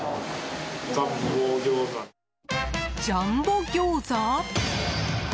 ジャンボギョーザ？